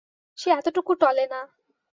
সে এতটুকু টলে না।